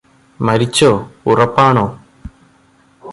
മരിച്ചോ ഉറപ്പാണോ